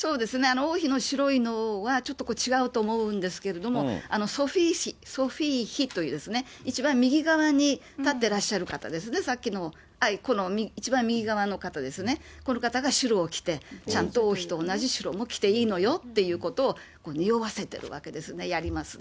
王妃の白いのはちょっと違うと思うんですけれども、ソフィー妃という、一番右側に立ってらっしゃる方ですね、さっきの、この一番右側の方ですね、この方が白を着て、ちゃんと王妃と同じ白を着ていいのよっていうことをにおわせてるわけですね、やりますね。